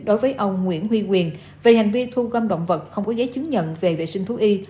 đối với ông nguyễn huy quyền về hành vi thu gom động vật không có giấy chứng nhận về vệ sinh thú y